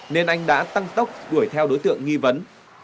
nên anh đã tăng tốc đuổi theo đối tượng nghi vấn